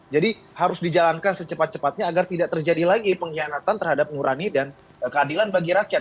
jadi harus dijalankan secepat cepatnya agar tidak terjadi lagi pengkhianatan terhadap ngurani dan keadilan bagi rakyat